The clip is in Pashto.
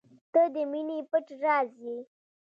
• ته د مینې پټ راز یې.